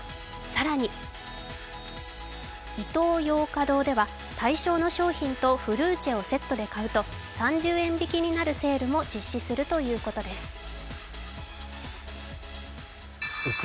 更にイトーヨーカードーでは対象の商品とフルーチェをセットで買うと３０円引きになるセールも実施するということです。